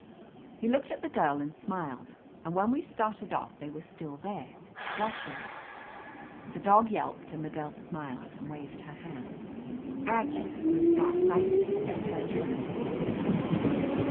He looked at the girl and smiled, and when we started off they were st^ill there, watching us. The dog yelped, and the girl smiled and waved her hand. Aggie, who is far sighted, turned around a second time.